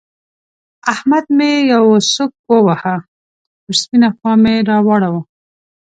احمد مې يوه سوک وواهه؛ پر سپينه خوا مې را واړاوو.